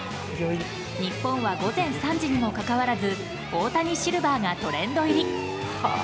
日本は午前３時にもかかわらず大谷シルバーがトレンド入り。